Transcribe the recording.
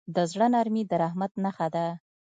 د زړه نرمي د رحمت نښه ده.